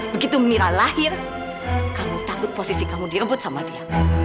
begitu mira lahir kamu takut posisi kamu diebut sama dia